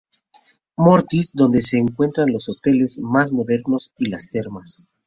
Moritz, donde se encuentran los hoteles más modernos y las termas.